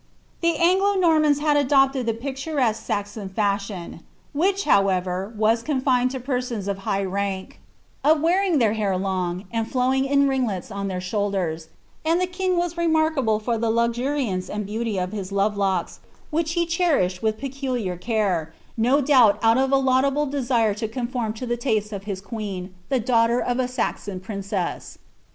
The An^(^ Normans Imd adopted the picitire^jue Saxon fashion — which, however, was ccHilineil to persons of high rank — of wearing their liair long, aad Howing in ringlets on tlieir shoulders ; and tlie king was rtinarkable iat the luxuriance and beauty of his lovp locks, which he cherished viih peculiai' care, no doubt out of a laudable desire to conform to the butw of Ids queen, the daughter of a Saxon princess.